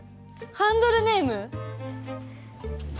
ハンドルネーム？